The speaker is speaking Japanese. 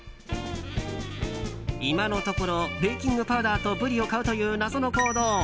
今のところベーキングパウダーとブリを買うという謎の行動。